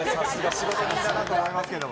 仕事人だなと思いますけど。